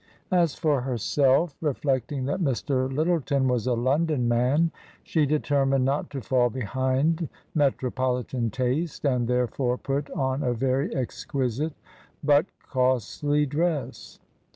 As for herself, reflecting that Mr, Lyttleton was a London man, she determined not to fall behind metropolitan taste, and therefore put on a very exquisite but costly dress.